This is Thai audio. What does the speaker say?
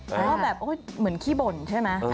เพราะว่าแบบเหมือนขี้บ่นใช่ไหม